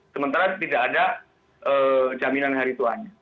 sementara tidak ada jaminan hari tuanya